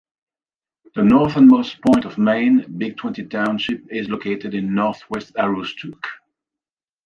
The northernmost point of Maine, Big Twenty Township is located in Northwest Aroostook.